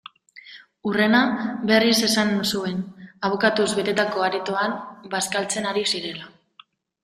Hurrena, berriz esan zuen, abokatuz betetako aretoan bazkaltzen ari zirela.